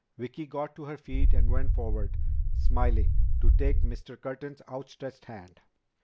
Vicki got to her feet and went forward, smiling, to take Mr. Curtin's outstretched hand.